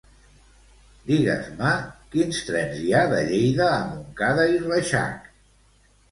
Digues-me quins trens hi ha de Lleida a Montcada i Reixac.